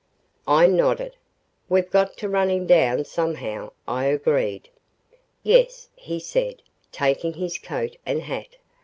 I nodded. "We've got to run him down somehow," I agreed. "Yes," he said, taking his coat and hat.